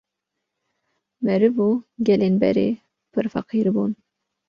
Meriv û gelên berê pir feqîr bûn